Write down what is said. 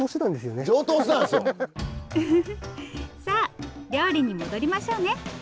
フフフさあ料理に戻りましょうね。